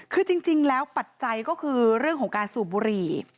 คือจริงแล้วปัจจัยก็คือเรื่องของการสูบบุหรี่